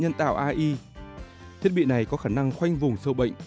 nhờ việc tích hợp trí tuệ nhân tạo ai thiết bị này có khả năng khoanh vùng sâu bệnh